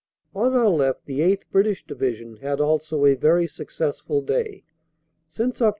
On our left the 8th. British Division had also a very suc cessful day. Since Oct.